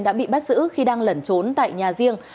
đã bị bắt giữ khi đang lẩn trốn tại nhà riêng